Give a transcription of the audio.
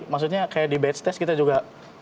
maksudnya kayak di batch test kita juga